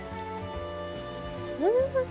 うん！